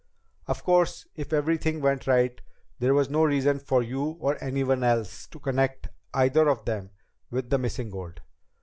Of course, if everything went right, there was no reason for you or anyone else to connect either of them with the missing gold.